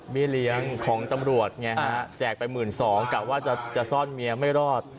เมียเลี้ยงของตำรวจแจกไป๑๒๐๐๐บาทกลับว่าจะซ่อนเมียไม่รอด